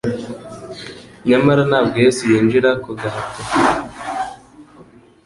Nyamara ntabwo Yesu yinjira ku gahato.